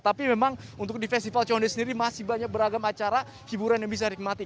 tapi memang untuk di festival condet sendiri masih banyak beragam acara hiburan yang bisa dinikmati